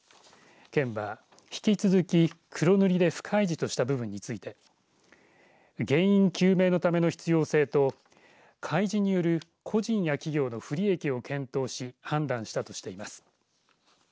県は、引き続き黒塗りで不開示とした部分について原因究明のための必要性と開示による個人や企業の不利益を検討し判断したとしています。